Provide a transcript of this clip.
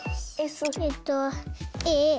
えっとａ。